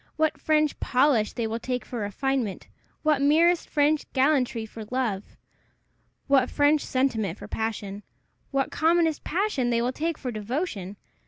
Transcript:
what French polish they will take for refinement! what merest French gallantry for love! what French sentiment for passion! what commonest passion they will take for devotion!